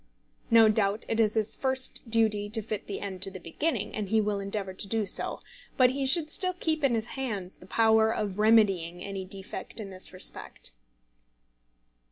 No doubt it is his first duty to fit the end to the beginning, and he will endeavour to do so. But he should still keep in his hands the power of remedying any defect in this respect.